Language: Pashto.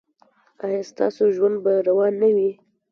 ایا ستاسو ژوند به روان نه وي؟